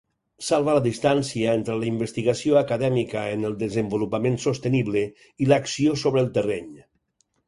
Salva la distància entre la investigació acadèmica en el desenvolupament sostenible i l'acció sobre el terreny.